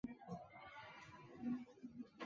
翰劳还有一个名为亚历克斯的哥哥。